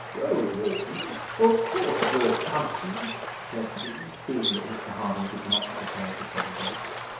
"Well, warden, of course you're coming," said he, seeing that Mr Harding did not prepare to follow him.